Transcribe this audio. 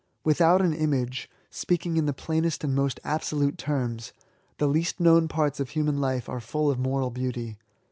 ^' Without an image, speaking in the plainest and most absolute terms, the least known parts of human life are full of moral beauty.